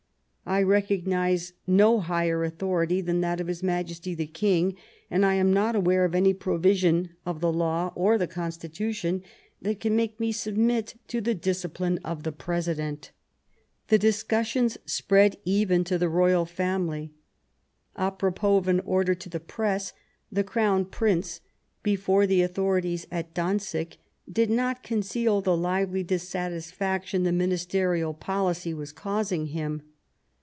I recognize no higher authority than that of his Majesty the King, and I am not aware of any provision of the law or the Constitution that can make me submit to the discipline of the Presi dent." The discussions spread even to the Royal Family. A propos of an order to the Press, the Crown Prince, before the authorities at Danzig, did not conceal the lively dissatisfaction the ministerial policy was causing him.